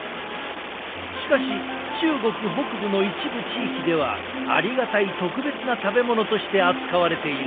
しかし中国北部の一部地域ではありがたい特別な食べ物として扱われているという。